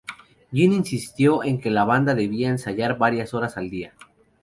Ginn insistió en que la banda debía ensayar varias horas al día.